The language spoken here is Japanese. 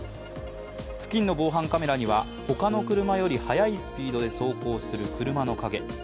付近の防犯カメラには他の車より速いスピードで走行する車の陰。